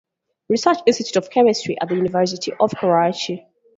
Research Institute of Chemistry at the University of Karachi.